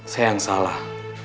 saya yang salah